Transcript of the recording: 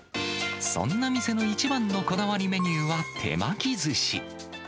そんな店の一番のこだわりメニューは、手巻きずし。